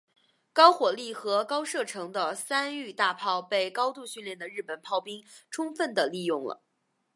高火力和高射程的三笠大炮被高度训练的日本炮兵充分地利用了。